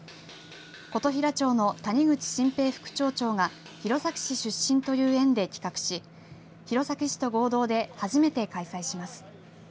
琴平町の谷口信平副町長が弘前市出身という縁で企画し弘前市と合同で初めて開催します。